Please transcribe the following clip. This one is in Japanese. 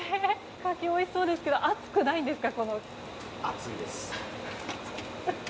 カキ、おいしそうですけど暑くないんですか。